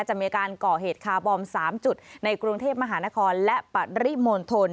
จะมีการก่อเหตุคาร์บอม๓จุดในกรุงเทพมหานครและปริมณฑล